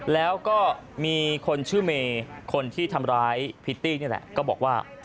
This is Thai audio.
แล้วก็มีคนน่าชื่อเมคนที่ทำร้ายพิตี้นี่แหละ